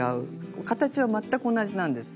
形は全く同じなんです。